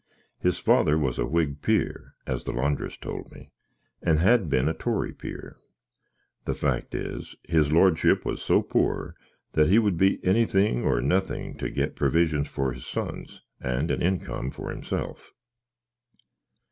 His father was a Wig pier (as the landriss told me), and had been a Toary pier. The fack is, his lordship was so poar, that he would be anythink, or nothink, to get previsions for his sons, and an inkum for him self.